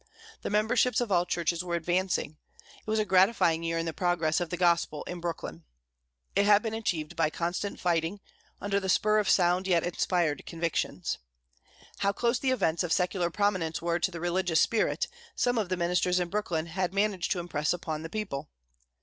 The memberships of all churches were advancing. It was a gratifying year in the progress of the Gospel in Brooklyn. It had been achieved by constant fighting, under the spur of sound yet inspired convictions. How close the events of secular prominence were to the religious spirit, some of the ministers in Brooklyn had managed to impress upon the people.